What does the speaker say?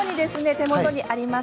手元にあります